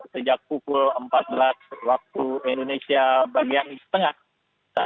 sejak pukul empat belas waktu indonesia bagian setengah